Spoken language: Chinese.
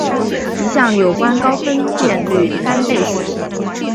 一项有关高分辨率单倍型。